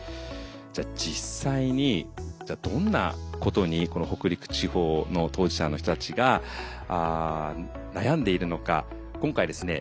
じゃあ実際にどんなことにこの北陸地方の当事者の人たちが悩んでいるのか今回ですね